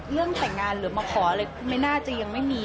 เรื่องแต่งงานหรือมาขออะไรไม่น่าจะยังไม่มี